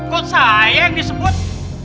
kok saya yang disebut